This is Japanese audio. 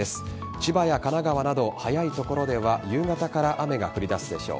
千葉や神奈川など早い所では夕方から雨が降り出すでしょう。